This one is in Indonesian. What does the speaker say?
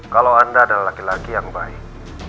kalau anda adalah laki laki yang baik